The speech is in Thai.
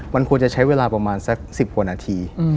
มันควรจะใช้เวลาประมาณสัก๑๐กว่านาที